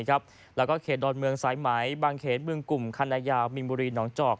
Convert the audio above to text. แล้วก็เขตดอนเมืองสายไหมบางเขตเมืองกลุ่มคันนายาวมินบุรีหนองจอก